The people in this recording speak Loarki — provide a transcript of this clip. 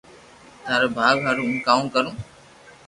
ٿاري ڀاگ ھارو ھون ڪاوُ ڪارو